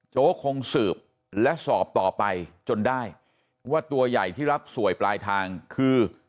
โจ๊กคงสืบและสอบต่อไปจนได้ว่าตัวใหญ่ที่รับสวยปลายทางคือ